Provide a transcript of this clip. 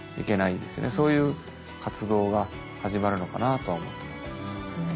そういう活動が始まるのかなとは思ってます。